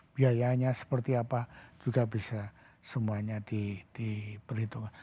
biayanya seperti apa juga bisa semuanya diperhitungkan